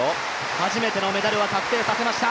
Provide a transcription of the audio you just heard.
初めてのメダルは確定させました、